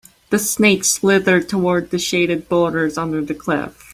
The snake slithered toward the shaded boulders under the cliff.